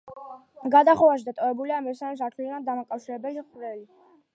გადახურვაში დატოვებულია მესამე სართულთან დამაკავშირებელი ხვრელი.